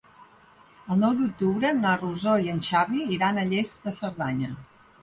El nou d'octubre na Rosó i en Xavi iran a Lles de Cerdanya.